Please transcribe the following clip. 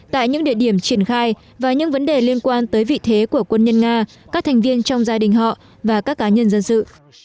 tại những địa điểm triển khai và những vấn đề liên quan tới vị thế của quân nhân nga các thành viên trong gia đình họ và các cá nhân dân sự